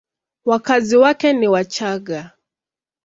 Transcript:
Wakazi wake ni Wachagga.